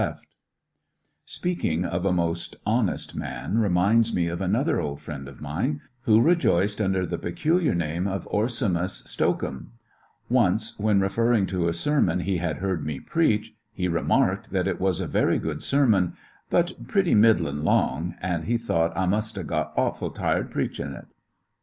necrtii'dsm Speaking of a most honest man reminds me of OKS^mus of another old friend of mine, who rejoiced under the peculiar name of Orsamus Stocum. Once, when referring to a sermon he had heard me preachy he remarked that it was a 112 bL ]}AissionarY in tge Great West very good sermon^ but '^pretty middlio' long/' and he thougbt I "must 'a' got awful tired preachm' it.''